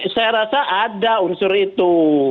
saya rasa ada unsur itu